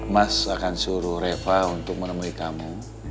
mas akan suruh reva untuk menemui tamu